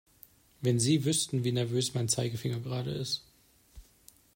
Wenn Sie wüssten, wie nervös mein Zeigefinger gerade ist!